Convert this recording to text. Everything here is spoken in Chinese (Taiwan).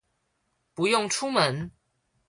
不用出門